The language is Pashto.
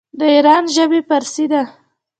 د ایران ژبې فارسي ده.